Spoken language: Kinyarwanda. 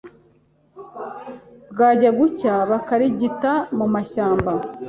bwajya gucya bakarigita mu mashyamba,